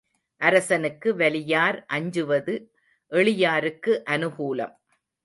அரசனுக்கு வலியார் அஞ்சுவது எளியாருக்கு அநுகூலம்.